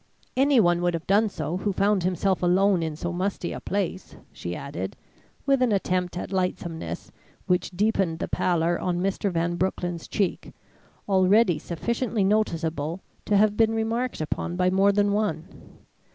"Anyone would have done so who found himself alone in so musty a place," she added, with an attempt at lightsomeness which deepened the pallor on Mr. Van Broecklyn's cheek, already sufficiently noticeable to have been remarked upon by more than one.